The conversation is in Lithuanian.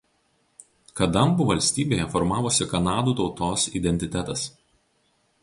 Kadambų valstybėje formavosi kanadų tautos identitetas.